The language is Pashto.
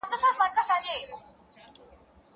ظالمه یاره سلامي ولاړه ومه،